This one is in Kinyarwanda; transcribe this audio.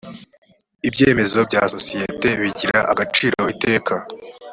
ibyemezo bya sosiyete bigira agaciro iteka